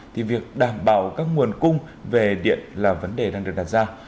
thì việc đảm bảo các nguồn cung về điện là vấn đề đang được đặt ra